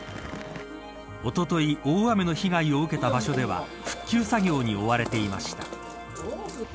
おととい大雨の被害を受けた場所では復旧作業に追われていました。